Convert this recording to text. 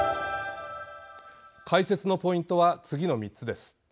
解説のポイントは次の３つです。